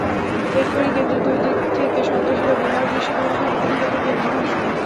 এরপরই কেন্দ্রের দুই দিক থেকে সন্ত্রাসীরা বোমার বিস্ফোরণ ঘটাতে ঘটাতে কেন্দ্রে ঢোকে।